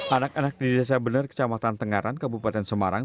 anak anak di desa bener kecamatan tengaran kabupaten semarang